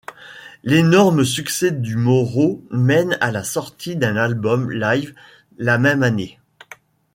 L'énorme succès du moreau mène à la sortie d'un album live la même année.